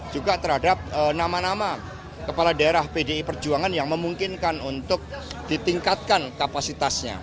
juga terhadap nama nama kepala daerah pdi perjuangan yang memungkinkan untuk ditingkatkan kapasitasnya